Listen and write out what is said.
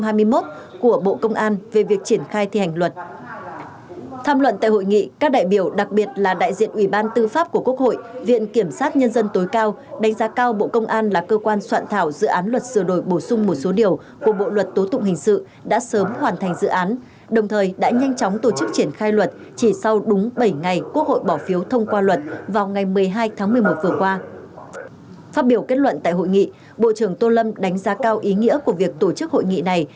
phát biểu kết luận tại hội nghị bộ trưởng tô lâm đánh giá cao ý nghĩa của việc tổ chức hội nghị này